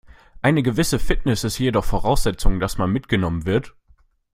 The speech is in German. Eine gewisse Fitness ist jedoch Voraussetzung, dass man mitgenommen wird.